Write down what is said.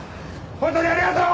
本当にありがとう！